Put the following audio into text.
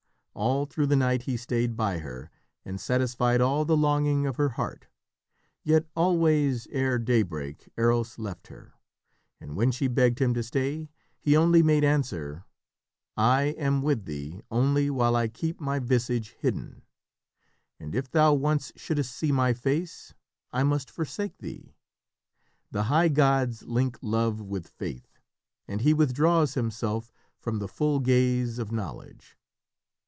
All through the night he stayed by her, and satisfied all the longing of her heart. Yet always, ere daybreak, Eros left her, and when she begged him to stay he only made answer: "I am with thee only while I keep My visage hidden; and if thou once shouldst see My face, I must forsake thee; the high gods Link Love with Faith, and he withdraws himself From the full gaze of knowledge."